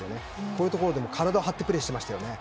こういうところでも体を張ってプレーしてましたよね。